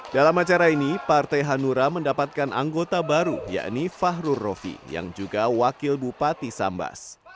dan sekarang dengan banyak yang bergabung di kabupaten sambas